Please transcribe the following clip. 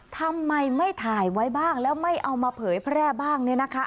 ทำไมไม่ถ่ายไว้บ้างแล้วไม่เอามาเผยแพร่บ้างเนี่ยนะคะ